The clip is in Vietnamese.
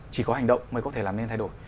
chỉ có hành động mới có thể làm nên thay đổi